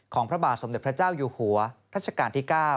พระบาทสมเด็จพระเจ้าอยู่หัวรัชกาลที่๙